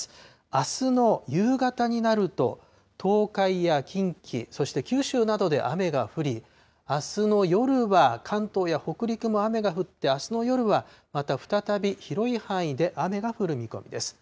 あすの夕方になると、東海や近畿、そして九州などで雨が降り、あすの夜は関東や北陸も雨が降って、あすの夜はまた再び広い範囲で雨が降る見込みです。